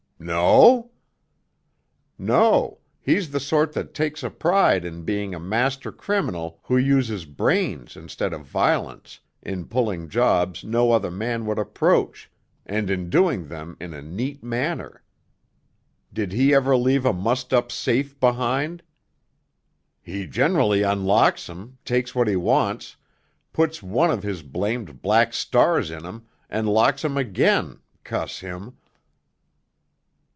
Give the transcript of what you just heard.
"No?" "No; he's the sort that takes a pride in being a master criminal who uses brains instead of violence in pulling jobs no other man would approach and in doing them in a neat manner. Did he ever leave a mussed up safe behind?" "He generally unlocks 'em, takes what he wants, puts one of his blamed black stars in 'em, and locks 'em again—cuss him!"